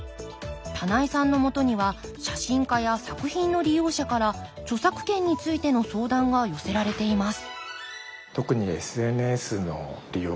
棚井さんのもとには写真家や作品の利用者から著作権についての相談が寄せられています